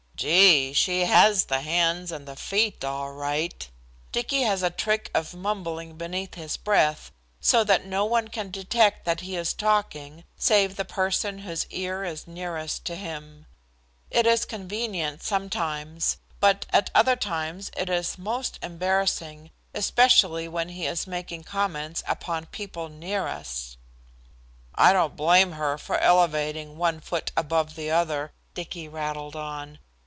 "Gee, she has the hands and the feet all right!" Dicky has a trick of mumbling beneath his breath, so that no one can detect that he is talking save the person whose ear is nearest to him. It is convenient sometimes, but at other times it is most embarrassing, especially when he is making comments upon people near us. "I don't blame her for elevating one foot above the other," Dicky rattled on.